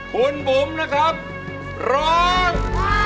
คุณบุ๋มนะครับร้อง